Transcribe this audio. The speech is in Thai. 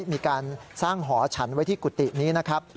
มีการสร้างหอฉันไว้ที่กุฏินี้นะครับ